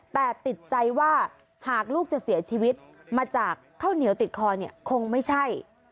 แต่ติดใจว่าหากลูกจะเสียชีวิตมาจากข้าวเหนียวติดคอเนี่ยคงไม่ใช่